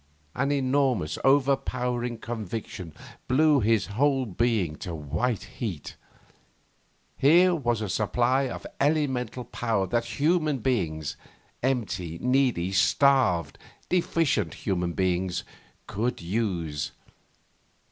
An enormous, overpowering conviction blew his whole being to white heat. Here was a supply of elemental power that human beings empty, needy, starved, deficient human beings could use.